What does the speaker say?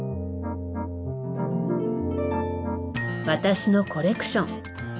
私のコレクション。